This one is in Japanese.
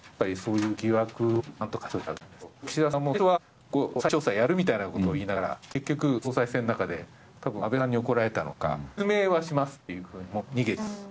岸田さんも最初は再調査やるみたいなことを言いながら結局、総裁選の中で、たぶん、安倍さんに怒られたのか説明はしますって言っても逃げちゃって。